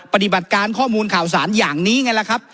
ปฏิบัติการข้อมูลข่าวสารอย่างนี้ไงล่ะครับ